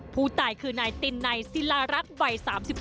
ผู้ตายคือนายตินไนศิลารักษ์วัย๓๒